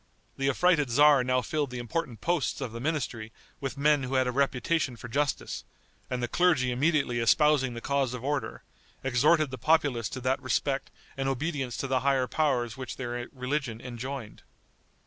The affrighted tzar now filled the important posts of the ministry with men who had a reputation for justice, and the clergy immediately espousing the cause of order, exhorted the populace to that respect and obedience to the higher powers which their religion enjoined.